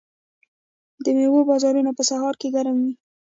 د میوو بازارونه په سهار کې ګرم وي.